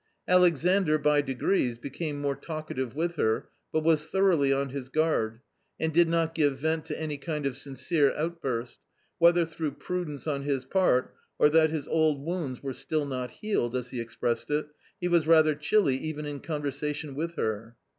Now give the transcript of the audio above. Alexandr, by degrees, became more talkative with her, but was thoroughly on his guard, and did not give vent to any kind of "sincere outburst;" whether through prudence on his part or that his old wounds were still not healed, as he expressed it, he was rather chilly even in conversation with her.